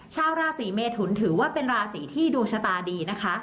ชาวราศีเมทุนถือว่าเป็นราศีที่ดวงชะตาดีนะคะ